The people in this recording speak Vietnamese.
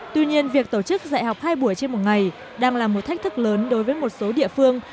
tuy nhiên việc tổ chức dạy học hai buổi trên một ngày đang là một thách thức lớn đối với một số địa phương